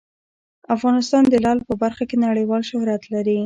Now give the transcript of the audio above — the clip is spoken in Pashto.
افغانستان د لعل په برخه کې نړیوال شهرت لري.